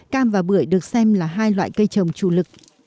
cam và bưởi được xem là hai loại cây trồng chủ lực